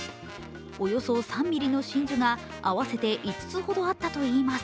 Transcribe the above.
およそ３ｍｍの真珠が合わせて５つほどあったといいます。